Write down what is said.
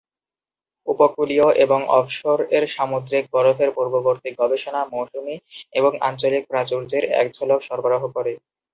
উপকূলীয় এবং অফশোর এর সামুদ্রিক বরফের পূর্ববর্তী গবেষণা, মৌসুমী এবং আঞ্চলিক প্রাচুর্যের এক ঝলক সরবরাহ করে।